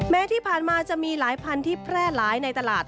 แม้ที่ผ่านมาจะมีหลายพันธุ์ที่แพร่หลายในตลาด